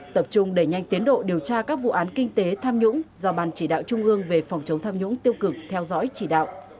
tập trung đẩy nhanh tiến độ điều tra các vụ án kinh tế tham nhũng do ban chỉ đạo trung ương về phòng chống tham nhũng tiêu cực theo dõi chỉ đạo